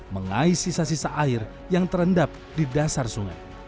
mengais sisa sisa air yang terendap di dasar sungai